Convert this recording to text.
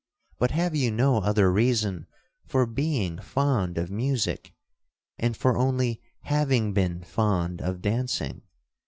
But have you no other reason for being fond of music, and for only having been fond of dancing?